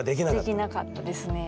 できなかったですね。